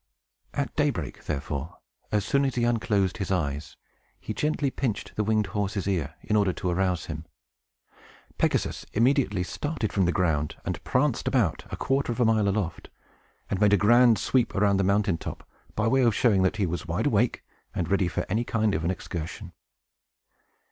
At daybreak, therefore, as soon as he unclosed his eyes, he gently pinched the winged horse's ear, in order to arouse him. Pegasus immediately started from the ground, and pranced about a quarter of a mile aloft, and made a grand sweep around the mountain top, by way of showing that he was wide awake, and ready for any kind of an excursion.